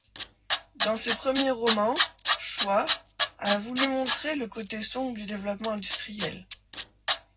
Dans ses premiers romans, Choi a voulu montrer le côté sombre du développement industriel.